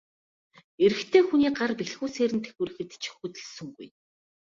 Эрэгтэй хүний гар бэлхүүсээр нь тэврэхэд ч хөдөлсөнгүй.